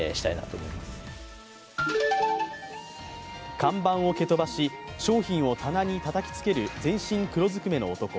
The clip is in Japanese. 看板を蹴飛ばし、商品を棚にたたきつける全身黒ずくめの男。